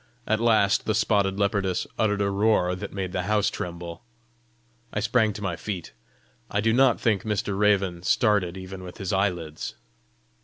At last the spotted leopardess uttered a roar that made the house tremble. I sprang to my feet. I do not think Mr. Raven started even with his eyelids.